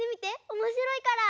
おもしろいから！